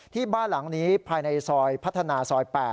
ที่บ้านหลังนี้ภายในซอยพัฒนาซอย๘